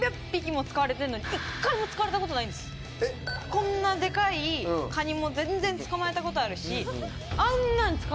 こんなデカいカニも全然捕まえたことあるし。